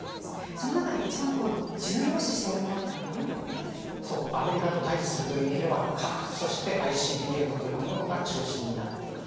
その中でいちばん重要視しているものというのはアメリカと対じするという意味ではそして、ＩＣＢＭというものが中心になってくる。